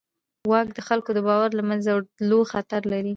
واک د خلکو د باور د له منځه تلو خطر لري.